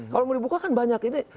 kalau mau dibuka kan banyak ini